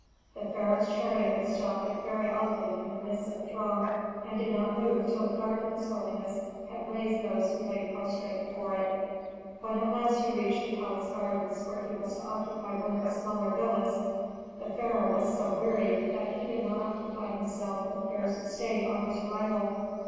The pharaoh's chariot was stopped very often in the midst of a throng, and did not move till the guard of his holiness had raised those who lay prostrate before it. When at last he reached the palace gardens where he was to occupy one of the smaller villas, the pharaoh was so wearied that he did not occupy himself with affairs of state on his arrival.